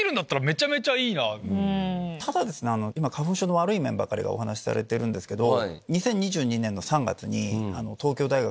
ただ今花粉症の悪い面ばっかりお話しされてるんですけど。